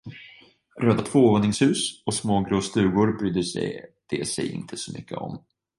Röda tvåvåningshus och små grå stugor brydde de sig inte så mycket om.